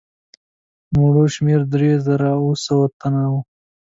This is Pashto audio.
د مړو شمېر درې زره اووه سوه تنه وو.